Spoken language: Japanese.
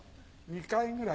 ２回ぐらい。